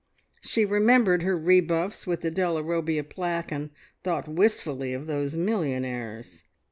She remembered her rebuffs with the Della Robbia plaque and thought wistfully of those millionaires!